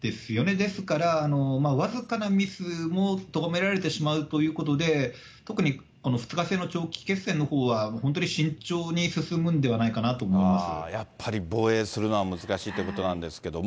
ですから、僅かなミスもとがめられてしまうということで、特にこの２日制の長期決戦のほうは、本当に慎重に進むんではないやっぱり防衛するのは難しいということなんですけども。